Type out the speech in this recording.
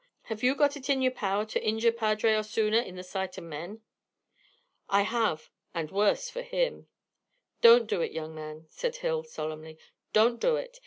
. have you got it in yer power to injure Padre Osuna in the sight o' men?" "I have, and worse for him." "Don't do it, young man," said Hill, solemnly. "Don't do it.